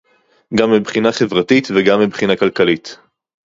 גם מבחינה חברתית וגם מבחינה כלכלית